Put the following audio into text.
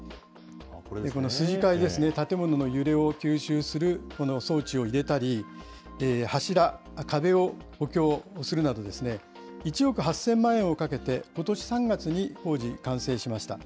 この筋交いですね、建物の揺れを吸収するこの装置を入れたり、柱、壁を補強するなど、１億８０００万円をかけて、ことし３月に工事完成しました。